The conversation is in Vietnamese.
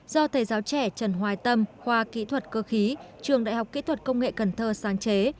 do thầy giáo trẻ trần hoài tâm khoa kỹ thuật cơ khí trường đại học kỹ thuật công nghệ cần thơ sáng chế